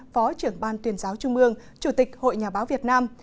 phó trưởng ban tuyên giáo trung mương chủ tịch hội nhà báo việt nam